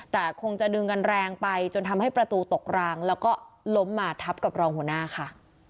แต่คงจะดึงกันแรงไปจนทำให้ประตูตกรางแล้วก็ล้มมาทับกับรองหัวหน้าค่ะ